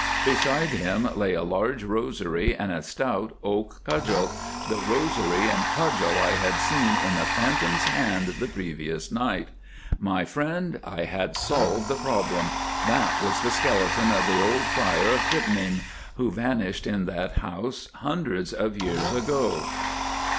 Beside him lay a large rosary and a stout oak cudgel—the rosary and cudgel I had seen in the phantom's hands the previous night. My friend, I had solved the problem—that was the skeleton of the old Prior of Pittenweem who vanished in that house hundreds of years ago."